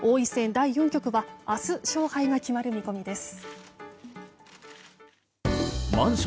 第４局は、明日勝敗が決まる見込みです。